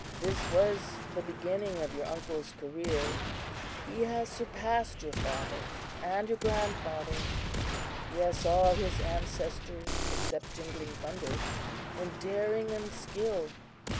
"This was the beginning of your uncle's career, He has surpassed your father and your grandfather; yes, all his ancestors except Jingling Thunder, in daring and skill."